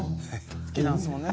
「好きなんですもんね